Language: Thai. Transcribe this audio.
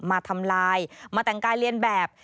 มาทำลายมาแต่งกายเรียนแบบ